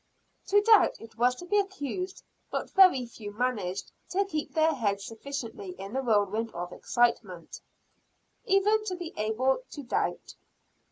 To doubt was to be accused; but very few managed to keep their heads sufficiently in the whirlwind of excitement, even to be able to doubt.